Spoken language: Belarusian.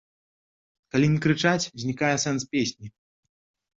Калі не крычаць, знікае сэнс песні.